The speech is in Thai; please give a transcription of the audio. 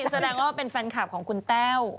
แสดงว่าเป็นแฟนคลับของคุณแต้ว